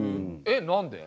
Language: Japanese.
えっ何で？